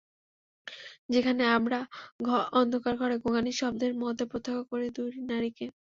যেখানে আমরা অন্ধকার ঘরে গোঙানির শব্দের মধ্যে প্রত্যক্ষ করি দুই নারীকে।